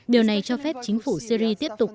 điều này cho phép chính phủ syri tiếp tục